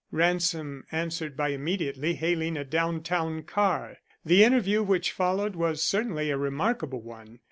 Ransom answered by immediately hailing a down town car. The interview which followed was certainly a remarkable one.